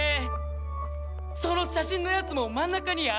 その写真のやつも真ん中に穴開いてるから。